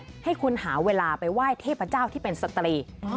ให้คุณหาเวลาไปไหว้เทพเจ้าที่เป็นสตรี